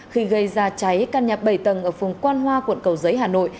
khi gây ra cháy căn nhà bảy tầng ở phùng quan hoa quận cầu giấy hà nội